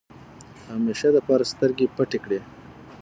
همېشه دپاره سترګې پټې کړې ۔